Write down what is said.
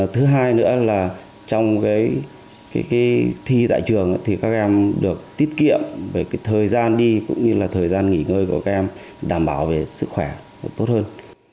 thứ hai nữa là trong thi tại trường thì các em được tiết kiệm về thời gian đi cũng như là thời gian nghỉ ngơi của các em đảm bảo về sức khỏe tốt hơn